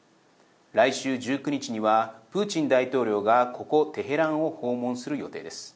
来週１９日にはプーチン大統領がここテヘランを訪問する予定です。